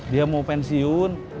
dia mau pensiun